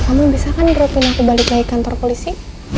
kamu bisa kan dropin aku balik lagi kantor polisi